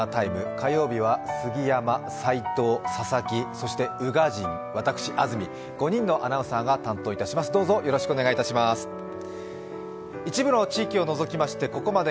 火曜日は杉山、齋藤、佐々木、そして宇賀神、私、安住５人のアナウンサーが担当いたします。